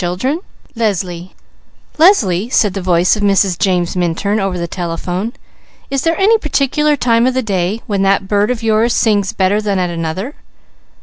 CHAPTER VI The Song of a Bird "Leslie," said the voice of Mrs. James Minturn over the telephone, "is there any particular time of the day when that bird of yours sings better than at another?"